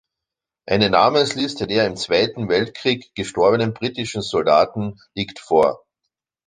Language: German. Eine Namensliste der im Zweiten Weltkrieg gestorbenen britischen Soldaten liegt vor.